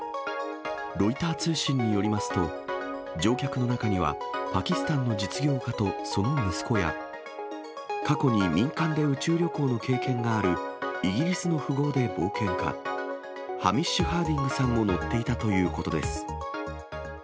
ロイター通信によりますと、乗客の中にはパキスタンの実業家とその息子や、過去に民間で宇宙旅行の経験がある、イギリスの富豪で冒険家、ハミッシュ・ハーディングさんも乗っていたということです。